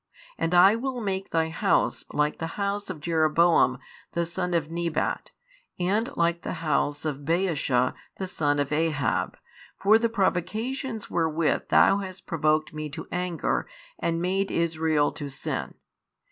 And I will make thy house like the house of Jeroboam the son of Nebat, and like the house of Baasha the son of Ahab, for the provocations wherewith thou hast provoked Me to anger and made Israel to sin.